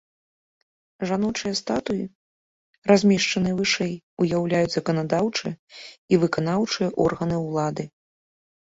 Жаночыя статуі, размешчаныя вышэй, уяўляюць заканадаўчыя і выканаўчыя органы ўлады.